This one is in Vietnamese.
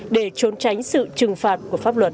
để trốn tránh sự trừng phạt của pháp luật